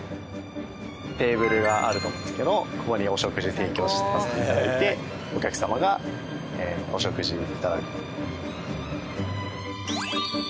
テーブルがあると思うんですけどここにお食事を提供させて頂いてお客様がお食事頂く。